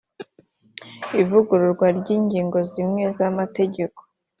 ivugururwa ry ingingo zimwe z amategeko